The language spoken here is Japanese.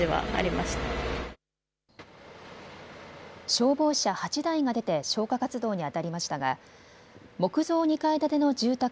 消防車８台が出て消火活動にあたりましたが木造２階建ての住宅